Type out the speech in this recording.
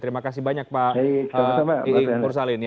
terima kasih banyak pak iing mursalin